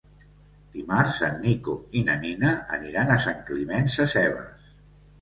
Dimarts en Nico i na Nina aniran a Sant Climent Sescebes.